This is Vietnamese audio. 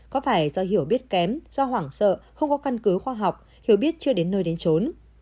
có phải do hiểu biết kém do hoảng sợ không có căn cứ khoa học hiểu biết chưa đến nơi đến trốn